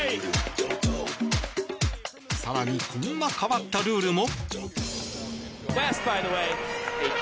更にこんな変わったルールも。